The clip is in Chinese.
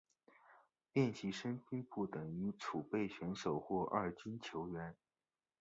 练习生并不等于储备选手或二军球员。